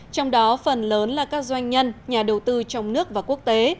trong đó phần lớn là các doanh nhân nhà đầu tư trong nước và quốc tế